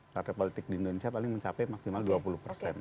partai politik di indonesia paling mencapai maksimal dua puluh persen